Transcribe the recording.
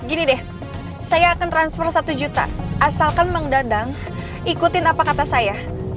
gini deh saya akan transfer satu juta asalkan bang dadang ikutin apa kata saya